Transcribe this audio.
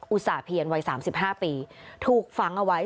ต่าเพียรวัย๓๕ปีถูกฝังเอาไว้